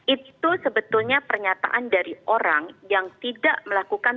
itu sebetulnya pernyataan dari orang yang tidak melakukan